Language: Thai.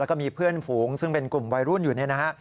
แล้วก็มีเพื่อนฝูงซึ่งเป็นกลุ่มวัยรุ่นอยู่เนี่ยนะฮะ